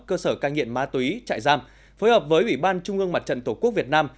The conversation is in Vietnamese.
cơ sở cai nghiện ma túy trại giam phối hợp với ủy ban trung ương mặt trận tổ quốc việt nam